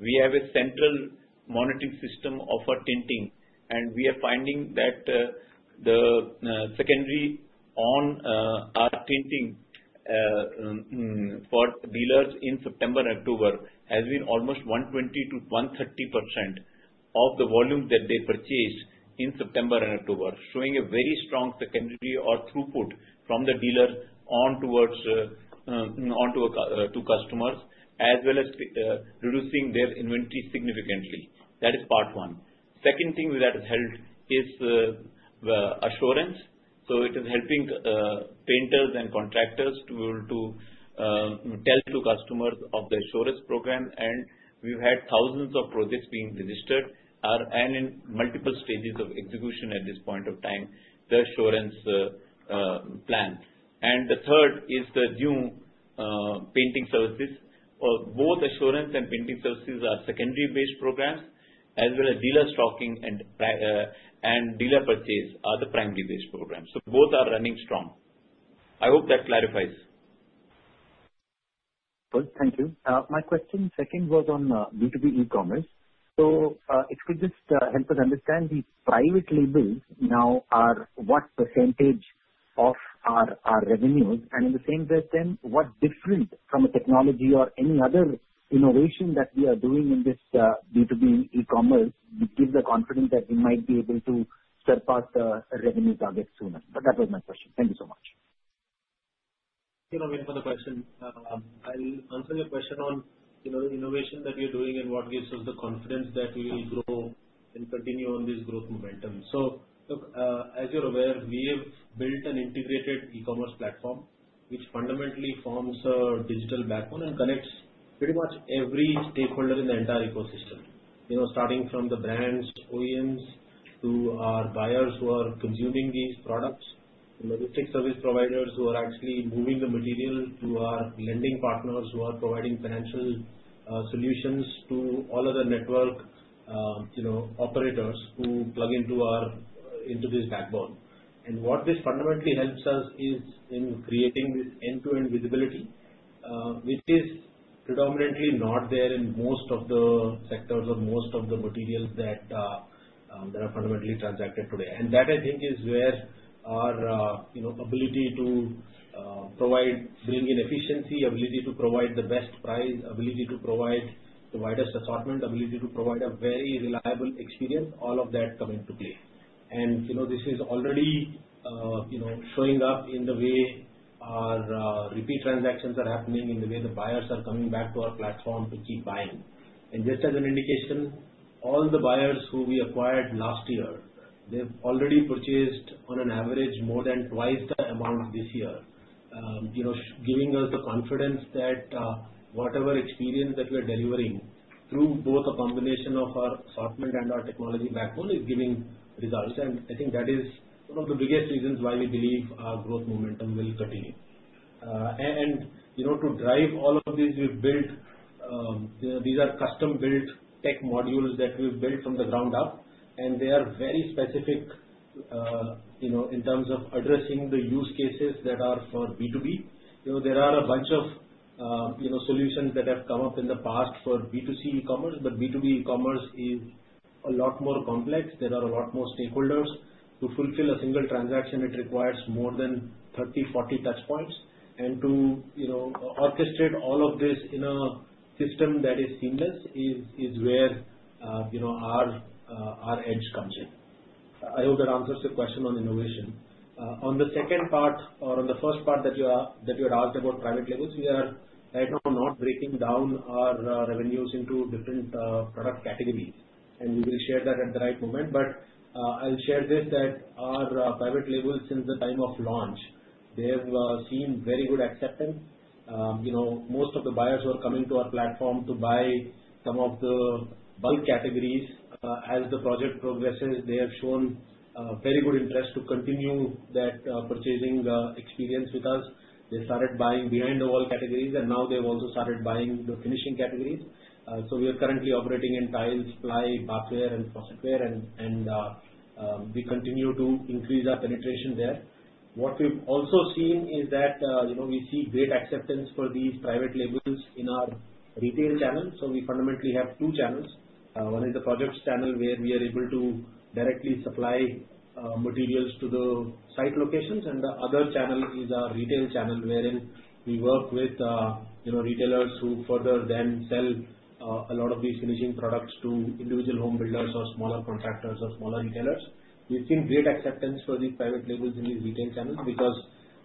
we have a central monitoring system of our tinting, and we are finding that the secondary on our tinting for dealers in September and October has been almost 120%-130% of the volume that they purchased in September and October, showing a very strong secondary or throughput from the dealer onto customers, as well as reducing their inventory significantly. That is part one. The second thing that has helped is assurance. It is helping painters and contractors to be able to tell to customers of the assurance program. We have had thousands of projects being registered and in multiple stages of execution at this point of time, the assurance plan. The third is the new painting services. Both assurance and painting services are secondary-based programs, as well as dealer stocking and dealer purchase are the primary-based programs. Both are running strong. I hope that clarifies. Thank you. My question second was on B2B e-commerce. If you could just help us understand the private labels now are what percentage of our revenues. In the same way, then, what is different from a technology or any other innovation that we are doing in this B2B e-commerce to give the confidence that we might be able to surpass the revenue target sooner? That was my question. Thank you so much. You know, we have another question. I'll answer your question on the innovation that we are doing and what gives us the confidence that we will grow and continue on this growth momentum. Look, as you're aware, we have built an integrated e-commerce platform which fundamentally forms a digital backbone and connects pretty much every stakeholder in the entire ecosystem, starting from the brands, OEMs, to our buyers who are consuming these products, logistics service providers who are actually moving the material, to our lending partners who are providing financial solutions, to all other network operators who plug into this backbone. What this fundamentally helps us is in creating this end-to-end visibility, which is predominantly not there in most of the sectors or most of the materials that are fundamentally transacted today. That, I think, is where our ability to bring in efficiency, ability to provide the best price, ability to provide the widest assortment, ability to provide a very reliable experience, all of that comes into play. This is already showing up in the way our repeat transactions are happening, in the way the buyers are coming back to our platform to keep buying. Just as an indication, all the buyers who we acquired last year, they have already purchased, on average, more than twice the amount this year, giving us the confidence that whatever experience that we are delivering through both a combination of our assortment and our technology backbone is giving results. I think that is one of the biggest reasons why we believe our growth momentum will continue. To drive all of this, these are custom-built tech modules that we have built from the ground up, and they are very specific in terms of addressing the use cases that are for B2B. There are a bunch of solutions that have come up in the past for B2C e-commerce, but B2B e-commerce is a lot more complex. There are a lot more stakeholders. To fulfill a single transaction, it requires more than 30-40 touchpoints. To orchestrate all of this in a system that is seamless is where our edge comes in. I hope that answers your question on innovation. On the second part or on the first part that you had asked about private labels, we are right now not breaking down our revenues into different product categories. We will share that at the right moment. I'll share this that our private labels, since the time of launch, they have seen very good acceptance. Most of the buyers who are coming to our platform to buy some of the bulk categories, as the project progresses, they have shown very good interest to continue that purchasing experience with us. They started buying behind-the-wall categories, and now they've also started buying the finishing categories. We are currently operating in tiles, ply, bathware and faucetware, and we continue to increase our penetration there. What we've also seen is that we see great acceptance for these private labels in our retail channel. We fundamentally have two channels. One is the projects channel where we are able to directly supply materials to the site locations, and the other channel is our retail channel wherein we work with retailers who further then sell a lot of these finishing products to individual home builders or smaller contractors or smaller retailers. We've seen great acceptance for these private labels in these retail channels because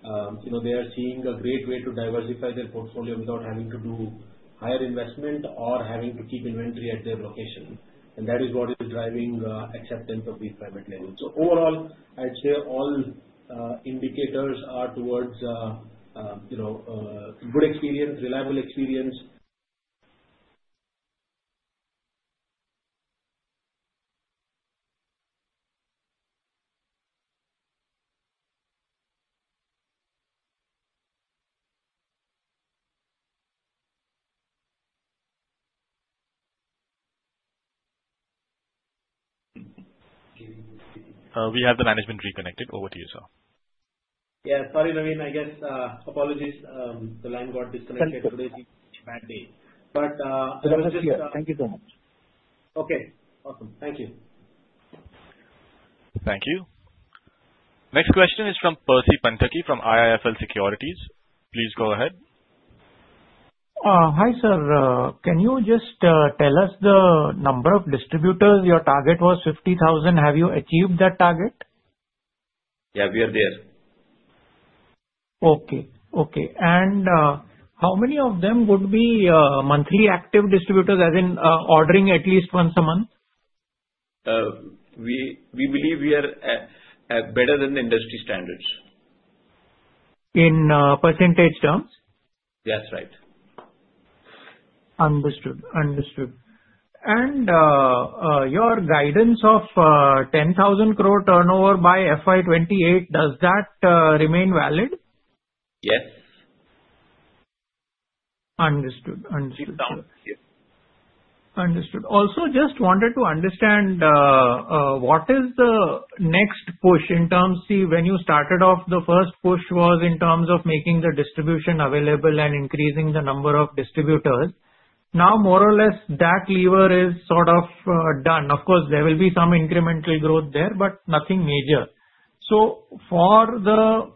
they are seeing a great way to diversify their portfolio without having to do higher investment or having to keep inventory at their location. That is what is driving acceptance of these private labels. Overall, I'd say all indicators are towards good experience, reliable experience. We have the management reconnected. Over to you, sir. Yeah. Sorry, Navin. Apologies. The line got disconnected today. It's a bad day. I was just. Thank you so much. Okay. Awesome. Thank you. Thank you. Next question is from Percy Panthaki from IIFL Securities. Please go ahead. Hi, sir. Can you just tell us the number of distributors your target was 50,000? Have you achieved that target? Yeah. We are there. Okay. Okay. How many of them would be monthly active distributors, as in ordering at least once a month? We believe we are better than the industry standards. In percentage terms? That's right. Understood. Understood. Your guidance of 10,000 crore turnover by FY 2028, does that remain valid? Yes. Understood. Understood. Understood. I also just wanted to understand what is the next push in terms? See, when you started off, the first push was in terms of making the distribution available and increasing the number of distributors. Now, more or less, that lever is sort of done. Of course, there will be some incremental growth there, but nothing major. For the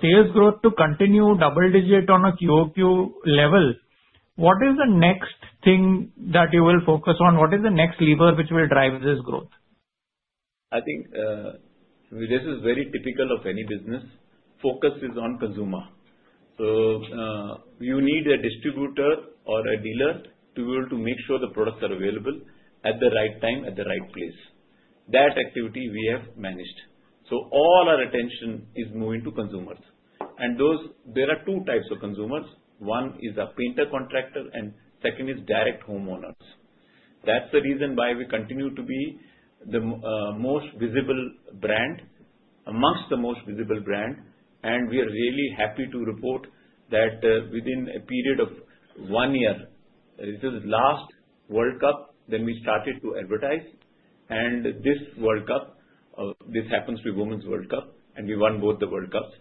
sales growth to continue double-digit on a QoQ level, what is the next thing that you will focus on? What is the next lever which will drive this growth? I think this is very typical of any business. Focus is on consumer. You need a distributor or a dealer to be able to make sure the products are available at the right time at the right place. That activity we have managed. All our attention is moving to consumers. There are two types of consumers. One is a painter contractor, and second is direct homeowners. That is the reason why we continue to be the most visible brand, amongst the most visible brand. We are really happy to report that within a period of one year, this is last World Cup, then we started to advertise. This World Cup, this happens to be Women's World Cup, and we won both the World Cups.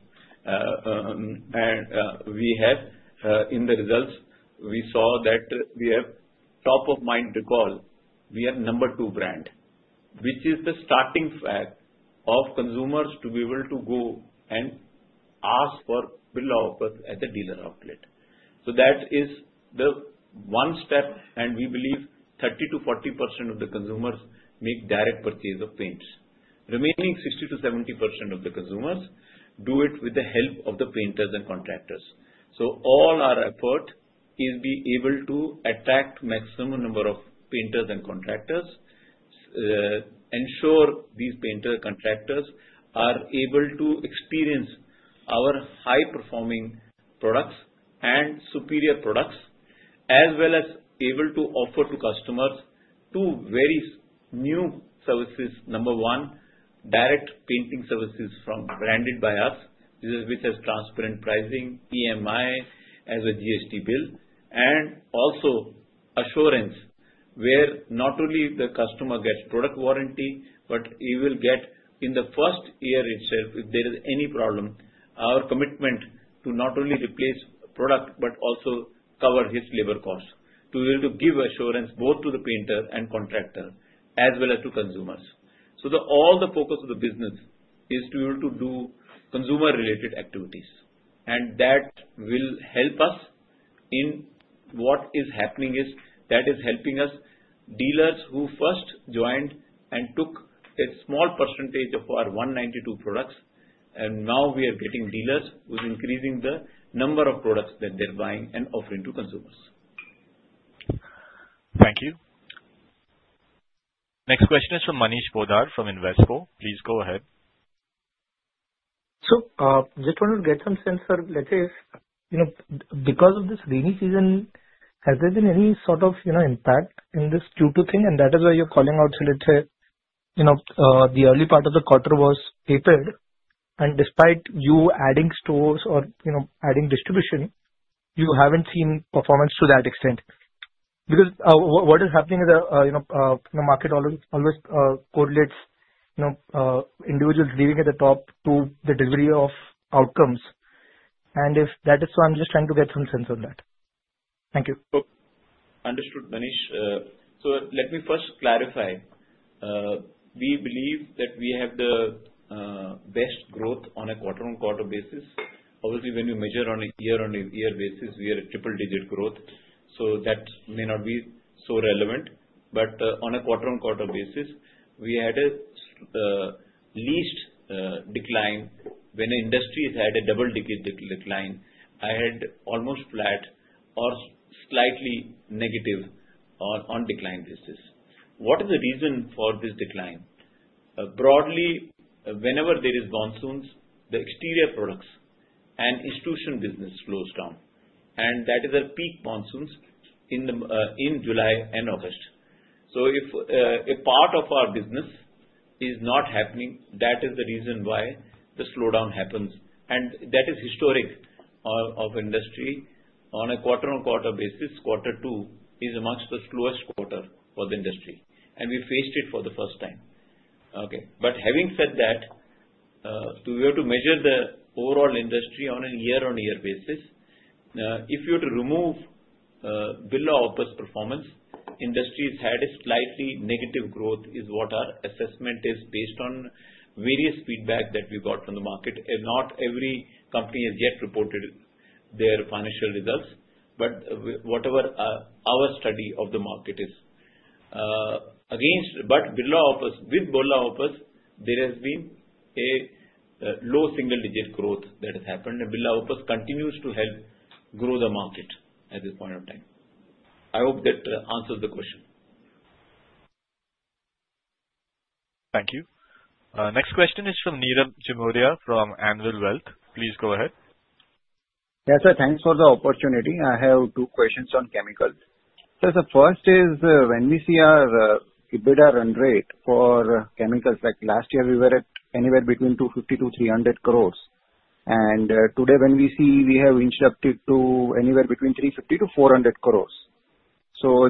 In the results, we saw that we have top-of-mind recall. We are number two brand, which is the starting flag of consumers to be able to go and ask for a pillow at the dealer outlet. That is the one step, and we believe 30%-40% of the consumers make direct purchase of paints. Remaining 60%-70% of the consumers do it with the help of the painters and contractors. All our effort is to be able to attract a maximum number of painters and contractors, ensure these painter contractors are able to experience our high-performing products and superior products, as well as be able to offer to customers two very new services. Number one, direct painting services from branded buyers, which has transparent pricing, EMI, as well as GST bill, and also assurance where not only the customer gets product warranty, but he will get in the first year itself, if there is any problem, our commitment to not only replace product but also cover his labor costs to be able to give assurance both to the painter and contractor, as well as to consumers. All the focus of the business is to be able to do consumer-related activities. That will help us in what is happening is that is helping us dealers who first joined and took a small percentage of our 192 products. Now we are getting dealers who are increasing the number of products that they're buying and offering to consumers. Thank you. Next question is from Manish Poddar from Invesco. Please go ahead. Just wanted to get some sense, sir. Let's say because of this rainy season, has there been any sort of impact in this Q2 thing? That is why you're calling out. Let's say the early part of the quarter was tapered. Despite you adding stores or adding distribution, you haven't seen performance to that extent. What is happening is the market always correlates individuals leading at the top to the delivery of outcomes. If that is so, I'm just trying to get some sense on that. Thank you. Understood, Manish. Let me first clarify. We believe that we have the best growth on a quarter-on-quarter basis. Obviously, when you measure on a year-on-year basis, we are at triple-digit growth. That may not be so relevant. On a quarter-on-quarter basis, we had a least decline when the industry had a double-digit decline. I had almost flat or slightly negative on decline basis. What is the reason for this decline? Broadly, whenever there are monsoons, the exterior products and institutional business slows down. That is a peak monsoon in July and August. If a part of our business is not happening, that is the reason why the slowdown happens. That is historic of industry. On a quarter-on-quarter basis, quarter two is amongst the slowest quarter for the industry. We faced it for the first time. Okay. Having said that, to be able to measure the overall industry on a year-on-year basis, if you were to remove Birla Opus performance, industry has had a slightly negative growth is what our assessment is based on various feedback that we got from the market. Not every company has yet reported their financial results, but whatever our study of the market is. Against, but with Birla Opus, there has been a low single-digit growth that has happened. Birla Opus continues to help grow the market at this point of time. I hope that answers the question. Thank you. Next question is from Nirav Jimudia from Anvil Wealth. Please go ahead. Yes, sir. Thanks for the opportunity. I have two questions on chemicals. The first is when we see our EBITDA run rate for chemicals, like last year we were at anywhere between 250 crore and INR 300 crore. Today when we see, we have injected to anywhere between 350 crore and 400 crore.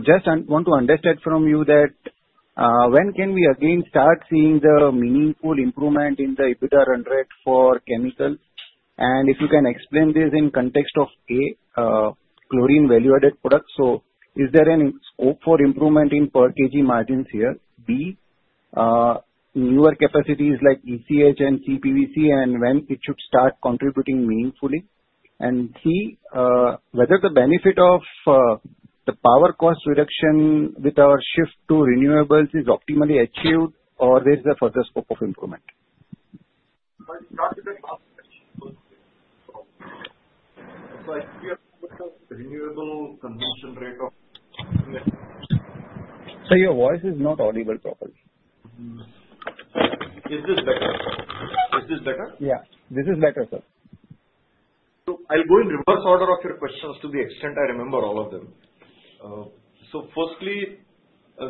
Just want to understand from you, when can we again start seeing the meaningful improvement in the EBITDA run rate for chemicals? If you can explain this in context of, A, chlorine value-added products. Is there any scope for improvement in per kg margins here? B, newer capacities like ECH and CPVC, and when it should start contributing meaningfully? C, whether the benefit of the power cost reduction with our shift to renewables is optimally achieved or there is a further scope of improvement. I think we have to put the renewable consumption rate of. Your voice is not audible properly. Is this better? Is this better? Yeah. This is better, sir. I'll go in reverse order of your questions to the extent I remember all of them. Firstly,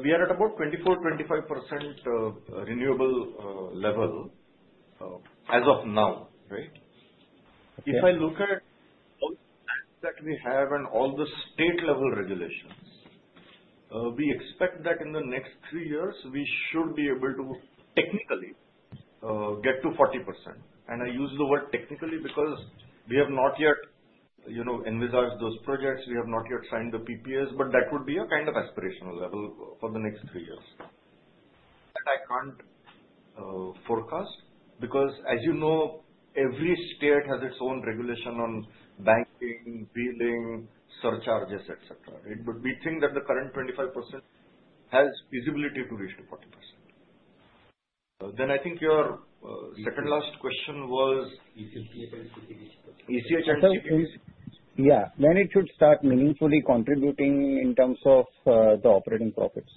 we are at about 24-25% renewable level as of now, right? If I look at all the plans that we have and all the state-level regulations, we expect that in the next three years we should be able to technically get to 40%. I use the word technically because we have not yet envisaged those projects. We have not yet signed the PPAs, but that would be a kind of aspirational level for the next three years. That I can't forecast because, as you know, every state has its own regulation on banking, billing, surcharges, etc. We think that the current 25% has visibility to reach to 40%. I think your second last question was ECH and CPVC. ECH and CPVC, yeah. When it should start meaningfully contributing in terms of the operating profits?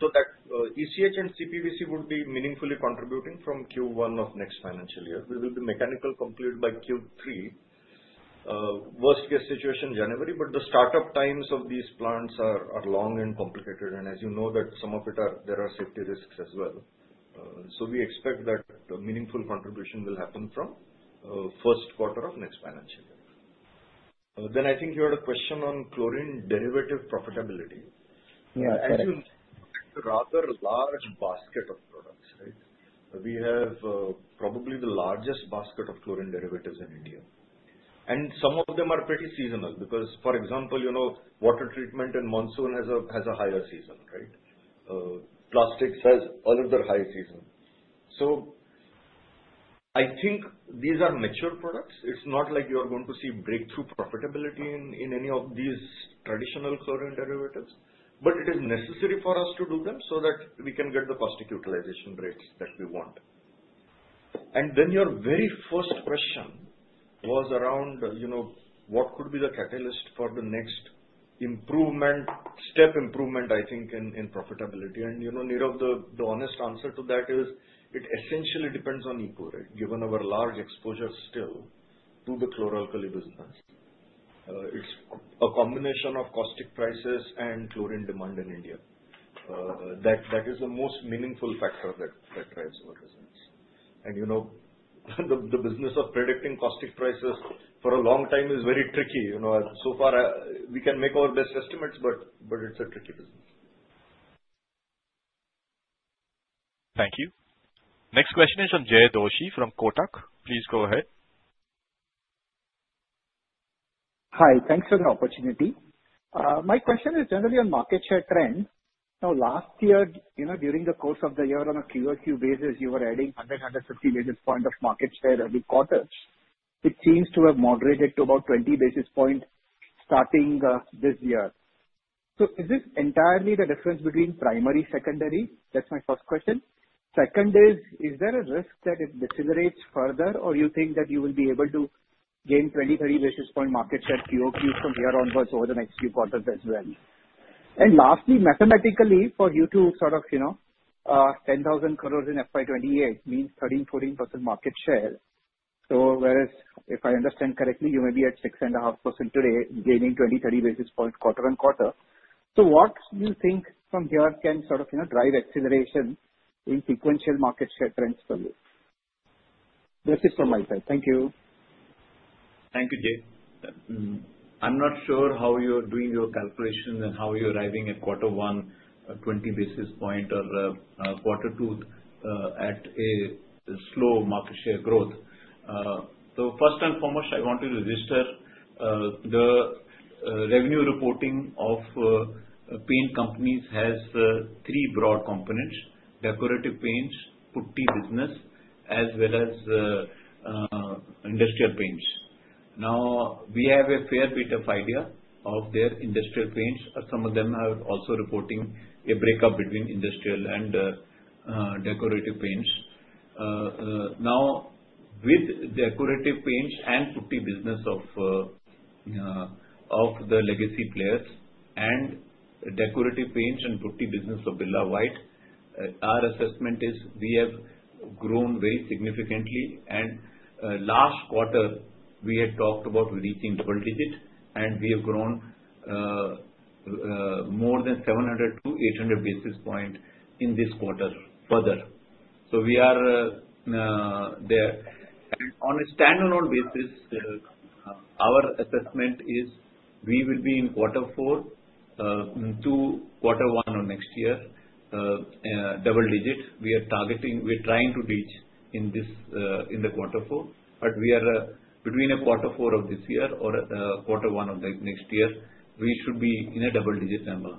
ECH and CPVC would be meaningfully contributing from Q1 of next financial year. We will be mechanical completed by Q3. Worst-case situation, January. The startup times of these plants are long and complicated. As you know, some of it, there are safety risks as well. We expect that meaningful contribution will happen from first quarter of next financial year. I think you had a question on chlorine derivative profitability. As you know, it's a rather large basket of products, right? We have probably the largest basket of chlorine derivatives in India. Some of them are pretty seasonal because, for example, water treatment and monsoon has a higher season, right? Plastics has another high season. I think these are mature products. It's not like you're going to see breakthrough profitability in any of these traditional chlorine derivatives, but it is necessary for us to do them so that we can get the plastic utilization rates that we want. Your very first question was around what could be the catalyst for the next improvement, step improvement, I think, in profitability. Nirav, the honest answer to that is it essentially depends on EPO, right? Given our large exposure still to the chloralkali business, it's a combination of caustic prices and chlorine demand in India. That is the most meaningful factor that drives our results. The business of predicting caustic prices for a long time is very tricky. So far, we can make our best estimates, but it's a tricky business. Thank you. Next question is from Jay Doshi from Kotak. Please go ahead. Hi. Thanks for the opportunity. My question is generally on market share trends. Now, last year, during the course of the year, on a QoQ basis, you were adding 100-150 basis points of market share every quarter. It seems to have moderated to about 20 basis points starting this year. Is this entirely the difference between primary and secondary? That's my first question. Second is, is there a risk that it decelerates further, or you think that you will be able to gain 20-30 basis points market share QoQ from here onwards over the next few quarters as well? Lastly, mathematically, for you to sort of 10,000 crore in FY 2028 means 13%-14% market share. Whereas, if I understand correctly, you may be at 6.5% today, gaining 20-30 basis points quarter on quarter. What do you think from here can sort of drive acceleration in sequential market share trends for you? That's it from my side. Thank you. Thank you, Jay. I'm not sure how you're doing your calculation and how you're arriving at quarter one, 20 basis points, or quarter two at a slow market share growth. First and foremost, I want to register, the revenue reporting of paint companies has three broad components: decorative paints, putty business, as well as industrial paints. Now, we have a fair bit of idea of their industrial paints. Some of them are also reporting a breakup between industrial and decorative paints. Now, with decorative paints and putty business of the legacy players and decorative paints and putty business of Birla White, our assessment is we have grown very significantly. Last quarter, we had talked about reaching double digit, and we have grown more than 700-800 basis points in this quarter further. We are there. On a standalone basis, our assessment is we will be in quarter four to quarter one of next year, double digit. We are targeting, we are trying to reach in the quarter four. Between quarter four of this year or quarter one of next year, we should be in a double-digit number.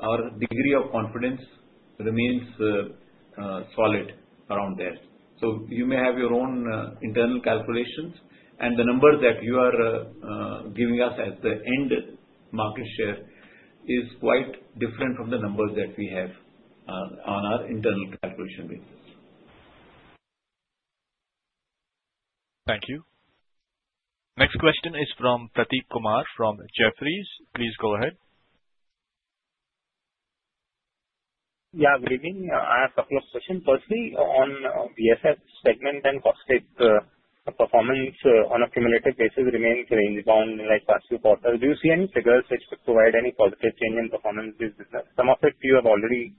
Our degree of confidence remains solid around there. You may have your own internal calculations, and the numbers that you are giving us at the end market share is quite different from the numbers that we have on our internal calculation basis. Thank you. Next question is from Prateek Kumar from Jefferies. Please go ahead. Yeah. Good evening. I have a couple of questions. Firstly, on PSF segment and caustic performance on a cumulative basis remains rangebound in the last few quarters. Do you see any figures which could provide any positive change in performance in this business? Some of it you have already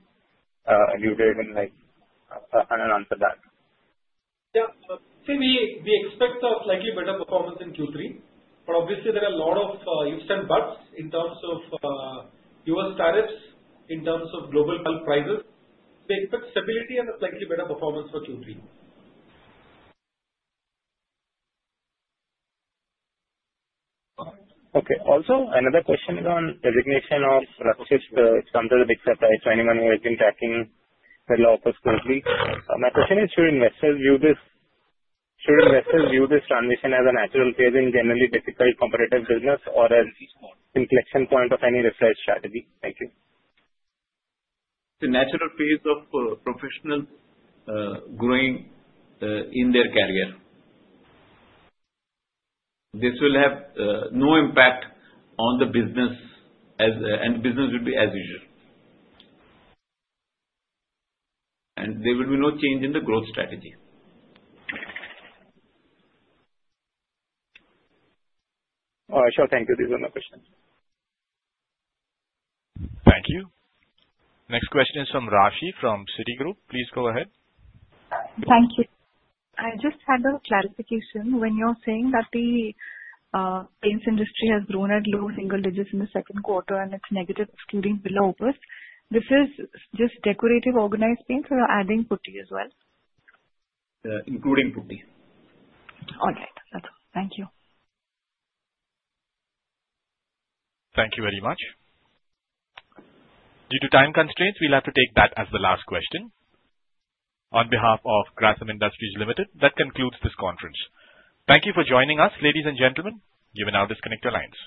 alluded and I can answer that. Yeah. We expect a slightly better performance in Q3, but obviously, there are a lot of ifs and buts in terms of U.S. tariffs, in terms of global prices. We expect stability and a slightly better performance for Q3. Okay. Also, another question is on designation of Rakshit. It's under the big surprise, 21 years in tracking Birla Opus closely. My question is, should investors view this transition as a natural phase in generally difficult competitive business or as inflection point of any refresh strategy? Thank you. The natural phase of professionals growing in their career. This will have no impact on the business, and business will be as usual. There will be no change in the growth strategy. Sure. Thank you. These are my questions. Thank you. Next question is from Raashi from Citigroup. Please go ahead. Thank you. I just had a clarification. When you're saying that the paints industry has grown at low single digits in the second quarter and it's negative excluding Birla Opus, this is just decorative organized paints or adding putty as well? Including putty. All right. That's all. Thank you. Thank you very much. Due to time constraints, we'll have to take that as the last question. On behalf of Grasim Industries, that concludes this conference. Thank you for joining us, ladies and gentlemen. You may now disconnect your lines.